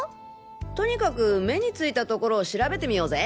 とにかく目についた所を調べてみようぜ！